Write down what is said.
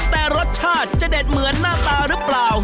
แต่รสชาติจะเด็ดเหมือนหน้าตาหรือเปล่า